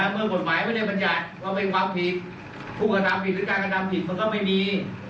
เมื่อกฎหมายไม่ได้บรรยัติว่าเป็นความผิดผู้กระทำผิดหรือการกระทำผิดมันก็ไม่มี